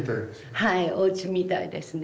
はいおうちみたいですね。